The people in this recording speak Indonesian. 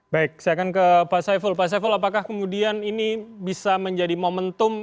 baik saya akan ke pak saiful pak saiful apakah kemudian ini bisa menjadi momentum